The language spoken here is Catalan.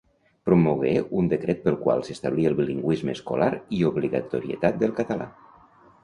Promogué un decret pel qual s'establí el bilingüisme escolar i l'obligatorietat del català.